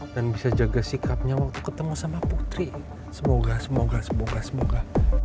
dan bisa jaga sikapnya waktu ketemu sama putri semoga semoga